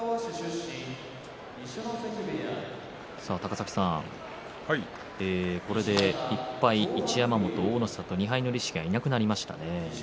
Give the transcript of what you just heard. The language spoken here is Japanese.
高崎さん、これで１敗が一山本と大の里２敗の力士がいなくなりました。